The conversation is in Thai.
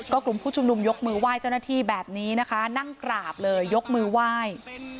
กลุ่มผู้ชุมนุมยกมือไหว้เจ้าหน้าที่แบบนี้นะคะนั่งกราบเลยยกมือไหว้